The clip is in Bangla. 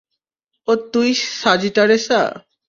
ও তুই সাজিটারেসা!